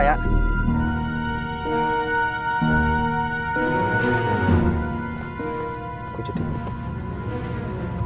saya kur yang tadi sore